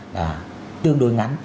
là tương đối ngắn